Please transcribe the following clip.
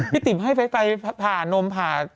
ติ๋มให้ไฟผ่านมผ่า